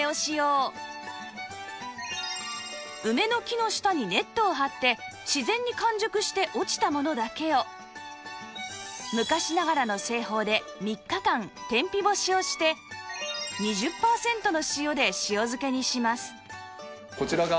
梅の木の下にネットを張って自然に完熟して落ちたものだけを昔ながらの製法で３日間天日干しをして２０パーセントの塩で塩漬けにします